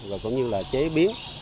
rồi cũng như là chế biến